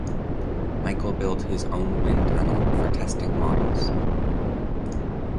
Michel built his own wind tunnel for testing models.